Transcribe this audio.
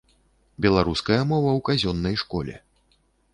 Беларуская мова ў казённай школе